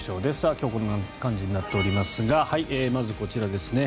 今日はこんな感じになっておりますがまずこちらですね。